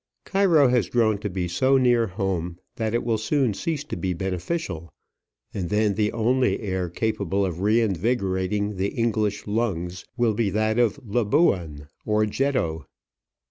Cairo has grown to be so near home, that it will soon cease to be beneficial, and then the only air capable of revigorating the English lungs will be that of Labuan or Jeddo.